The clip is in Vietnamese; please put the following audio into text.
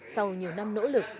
sau nhiều năm nỗ lực